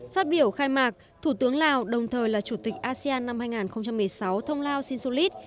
phát biểu khai mạc thủ tướng lào đồng thời là chủ tịch asean năm hai nghìn một mươi sáu thông lao sinsulit